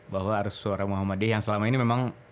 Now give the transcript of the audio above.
bahwa suara muhammadiyah yang selama ini memang